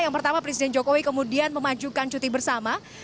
yang pertama presiden jokowi kemudian memajukan cuti bersama